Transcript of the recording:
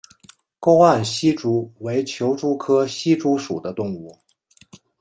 沟岸希蛛为球蛛科希蛛属的动物。